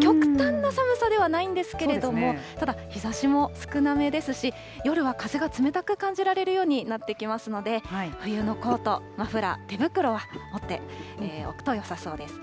極端な寒さではないんですけれども、ただ、日ざしも少なめですし、夜は風が冷たく感じられるようになってきますので、冬のコート、マフラー、手袋は持っておくとよさそうです。